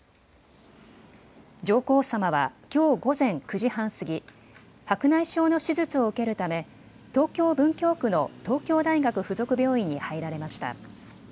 上皇さまはきょう午前９時半過ぎ、白内障の手術を受けるため、東京・文京区の東京大学附属病院に入られました。